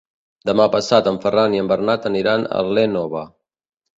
Demà passat en Ferran i en Bernat aniran a l'Énova.